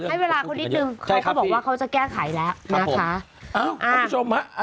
ให้เวลาเขานิดนึงเขาก็บอกว่าเขาจะแก้ไขแล้วนะคะอ้าวท่านผู้ชมฮะ